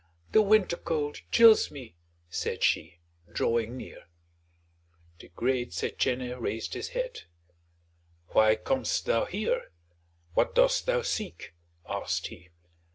The winter cold chills me," said she, drawing near. The great Setchène raised his head. "Why com'st thou here? What dost thou seek?" asked he.